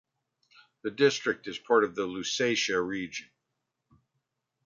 The district is part of the Lusatia region.